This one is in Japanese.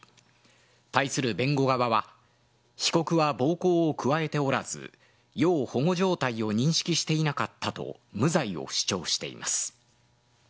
対する弁護側は、被告は暴行を加えておらず、要保護状態を認識していなかったと無罪を主張しています。